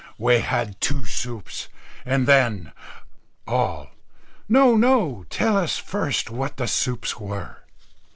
We had two soups, and then " All. "No, no; tell us first what the soups were?"